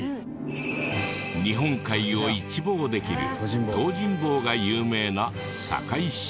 日本海を一望できる東尋坊が有名な坂井市。